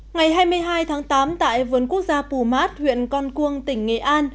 ngày hai mươi hai tháng tám tại vườn quốc gia pù mát huyện con cuông tỉnh nghệ an